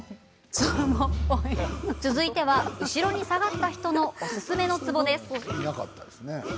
続いては後ろに下がった人におすすめのツボです。